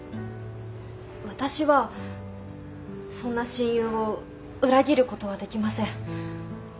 私はそんな親友を裏切ることはできません。